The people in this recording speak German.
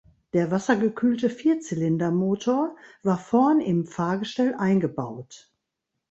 Der wassergekühlte Vierzylindermotor war vorn im Fahrgestell eingebaut.